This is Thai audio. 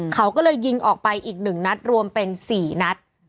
เขาก็เลยยิงออกไปอีก๑นัดรวมเป็น๔นัด